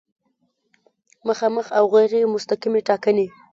مخامخ او غیر مستقیمې ټاکنې